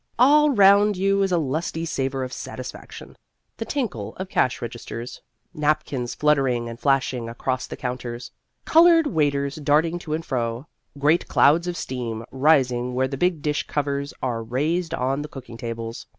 All round you is a lusty savour of satisfaction, the tinkle of cash registers, napkins fluttering and flashing across the counters, coloured waiters darting to and fro, great clouds of steam rising where the big dish covers are raised on the cooking tables.